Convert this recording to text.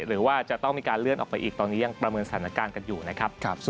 หรือว่าจะต้องมีการเลื่อนออกไปอีกตอนนี้ยังประเมินสถานการณ์กันอยู่นะครับ